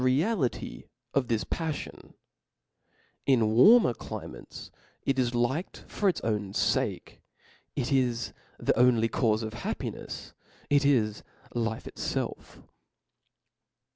reality of this paf fion . In warmer climates it is liked for its own fake, it is the only caufe of happinefs, it is life itfelf.